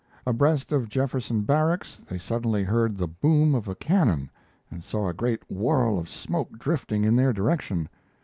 Abreast of Jefferson Barracks they suddenly heard the boom of a cannon and saw a great whorl of smoke drifting in their direction.